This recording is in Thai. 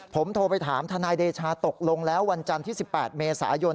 ผมโทรไปถามทนายเดชาตกลงแล้ววันจันทร์ที่๑๘เมษายน